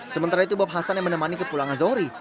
sementara itu bob hasan yang menemani ke pulangnya zohri